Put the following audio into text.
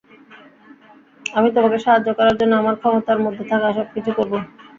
আমি তোমাকে সাহায্য করার জন্য আমার ক্ষমতার মধ্যে থাকা সবকিছু করব।